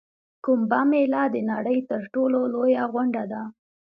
کومبه میله د نړۍ تر ټولو لویه غونډه ده.